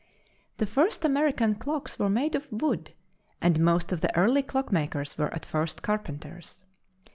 The first American clocks were made of wood, and most of the early clockmakers were at first carpenters.